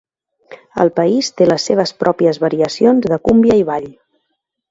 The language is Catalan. El país té les seves pròpies variacions de cúmbia i ball.